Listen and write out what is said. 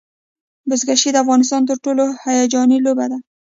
بزکشي د افغانستان تر ټولو هیجاني لوبه ده.